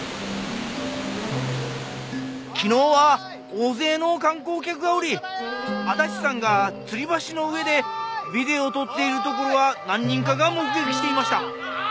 昨日は大勢の観光客がおり足立さんが吊り橋の上でビデオ撮っているところは何人かが目撃していました。